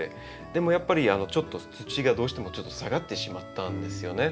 でもやっぱりちょっと土がどうしても下がってしまったんですよね。